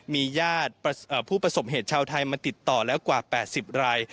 มีญาติผู้ประสบเหตุชาวไทยมาติดต่อแล้วกว่า๘๐ราย